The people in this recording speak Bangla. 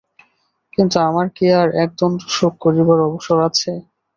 কিন্তু আমার কি আর একদণ্ড শোক করিবার অবসর আছে।